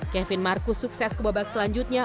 kevin marcus sukses ke babak selanjutnya